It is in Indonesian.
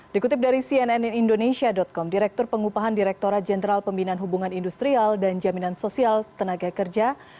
dikutip dari cnn indonesia com direktur pengupahan direkturat jenderal pembinaan hubungan industrial dan jaminan sosial tenaga kerja